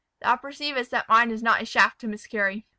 Thou perceivest that mine is not a shaft to miscarry."